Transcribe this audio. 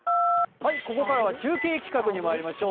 ここからは中継企画にまいりましょう。